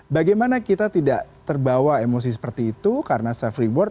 bagaimana kita tidak terbawa emosi seperti itu karena self reward